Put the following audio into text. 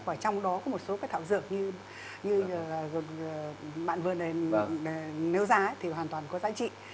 và trong đó có một số các thảo dược như bạn vừa nếu ra thì hoàn toàn không có